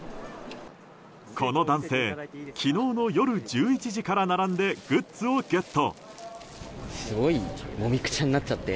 この男性、昨日の夜１１時から並んでグッズをゲット。